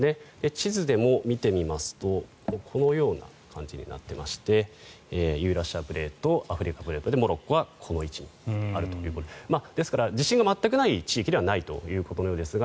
地図でも見てみますとこのような感じになってましてユーラシアプレートアフリカプレートでモロッコはこの位置にあるということでですから地震が全くない地域ではないということのようですが